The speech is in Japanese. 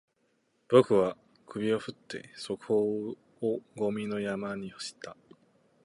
僕は首を振って、それをゴミの山に放った